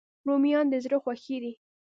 رومیان د زړه خوښي دي